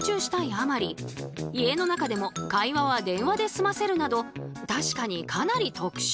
あまり家の中でも会話は電話で済ませるなど確かにかなり特殊。